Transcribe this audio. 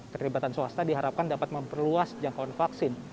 keterlibatan swasta diharapkan dapat memperluas jangkauan vaksin